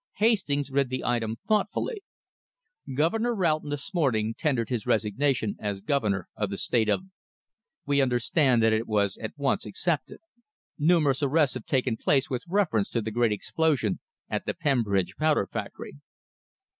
Hastings read the item thoughtfully. Governor Roughton this morning tendered his resignation as Governor of the State of . We understand that it was at once accepted. Numerous arrests have taken place with reference to the great explosion at the Bembridge powder factory.